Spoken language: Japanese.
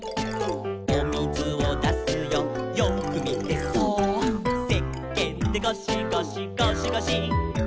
「おみずをだすよよーくみてそーっ」「せっけんでゴシゴシゴシゴシ」